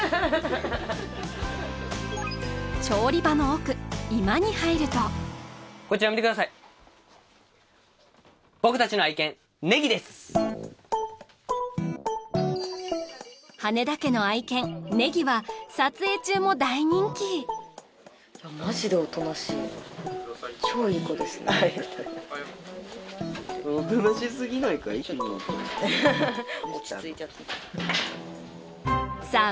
調理場の奥居間に入るとこちら見てください僕達の愛犬ネギですは撮影中も大人気落ち着いちゃってさあ